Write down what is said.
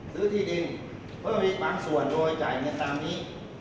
ซื้อที่ดินเพื่อมีบางส่วนโดยจ่ายเงินตามนี้